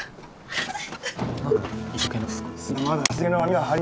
はい。